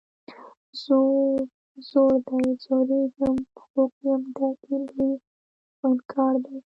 ځور، ځور دی ځوریږم خوږ یم درد یې لوی خونکار دی